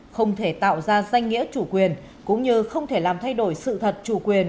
không thể tạo ra danh nghĩa chủ quyền cũng như không thể làm thay đổi sự thật chủ quyền